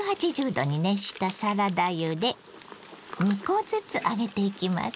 ℃に熱したサラダ油で２コずつ揚げていきます。